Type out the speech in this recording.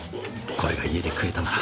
これが家で食えたなら。